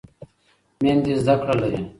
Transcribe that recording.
میندې زده کړه لري.